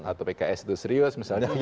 atau pks itu serius